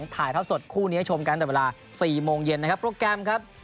ถ่ายเท่าสดคู่นี้ให้ชมกันแต่เวลา๔โมงเย็นนะครับโปรแกรมครับ